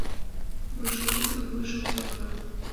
Ныжыл ӱдыр вуйжым савыра